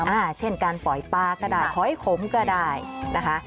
อ่าเช่นการปล่อยปลาก็ได้หอยขมก็ได้นะคะ